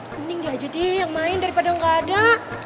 mending dia aja deh yang main daripada gak ada